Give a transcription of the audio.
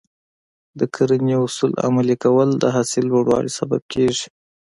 د کرنې اصول عملي کول د حاصل لوړوالي سبب کېږي.